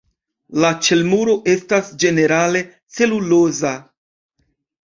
La ĉelmuro estas ĝenerale celuloza.